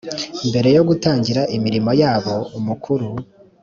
mbere yo gutangira imirimo yabo umukuru